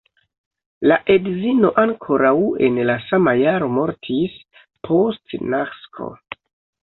La edzino ankoraŭ en la sama jaro mortis, post nasko.